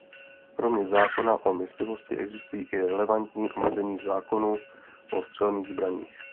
Kromě zákona o myslivosti existují i relevantní omezení v zákonu o střelných zbraních.